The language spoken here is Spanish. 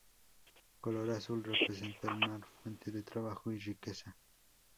Color azul: Representa el mar, fuente de trabajo y riqueza.